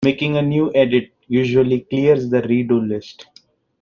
Making a new edit usually clears the redo list.